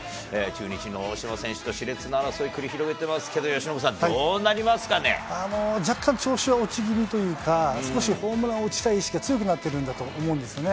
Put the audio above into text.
中日の大島選手としれつな争い繰り広げてますけれども、由伸さん、若干、調子は落ち気味というか、少しホームランを打ちたい意識が強くなっているんだと思うんですよね。